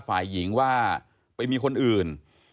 ฝ่ายหญิงว่าไปมีคนอื่น